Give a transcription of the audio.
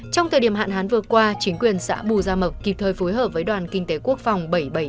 trong thời điểm hạn hán vừa qua chính quyền xã bù gia mập kịp thời phối hợp với đoàn kinh tế quốc phòng bảy trăm bảy mươi chín